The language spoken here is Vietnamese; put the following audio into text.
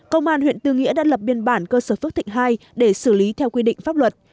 công an huyện tư nghĩa đã lập biên bản cơ sở phước thịnh hai để xử lý theo quy định pháp luật